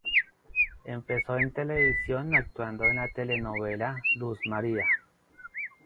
Empezó en televisión actuando en la telenovela "Luz María".